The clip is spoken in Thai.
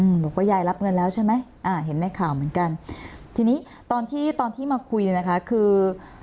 บอกว่ายายรับเงินแล้วใช่ไหมอ่าเห็นในข่าวเหมือนกันทีนี้ตอนที่ตอนที่มาคุยเนี่ยนะคะคือ